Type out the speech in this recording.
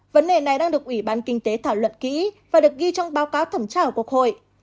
vấn đề này đang được ủy ban kinh tế thảo luận kỹ và được ghi trong báo cáo thẩm tra của quốc hội